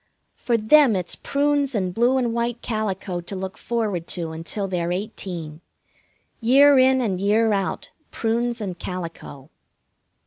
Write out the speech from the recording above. For them it's prunes and blue and white calico to look forward to until they're eighteen. Year in and year out, prunes and calico.